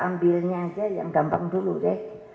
ambilnya aja yang gampang dulu deh